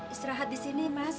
istirahat disini mas